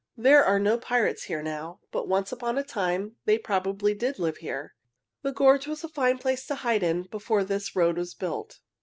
"There are no pirates here now; but once upon a time they probably did live here. The gorge was a fine place to hide in before this road was built."